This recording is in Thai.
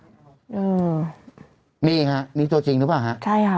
อืมนี่ฮะนี่ตัวจริงรึเปล่าฮะ